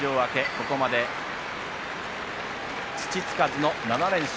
ここまで土つかずの７連勝。